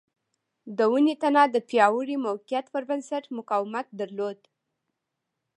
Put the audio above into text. د ونې تنه د پیاوړي موقعیت پر بنسټ مقاومت درلود.